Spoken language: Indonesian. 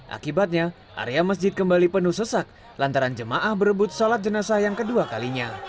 akibatnya area masjid kembali penuh sesak lantaran jemaah berebut sholat jenazah yang kedua kalinya